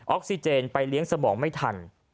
ออกซิเจนไปเลี้ยงสมองไม่ทัน